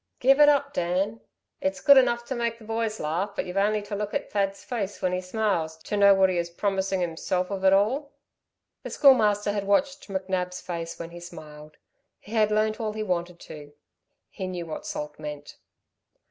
"Give it up, Dan! It's good enough to make the boys laugh, but you've only to look at Thad's face when he smiles to know what he is promising himself of it all." The Schoolmaster had watched McNab's face when he smiled. He had learnt all he wanted to. He knew what Salt meant.